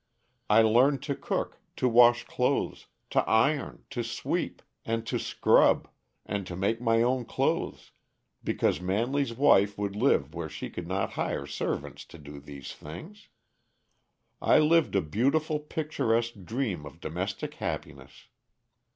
I learned to cook, to wash clothes, to iron, to sweep, and to scrub, and to make my own clothes, because Manley's wife would live where she could not hire servants to do these things. I lived a beautiful, picturesque dream of domestic happiness.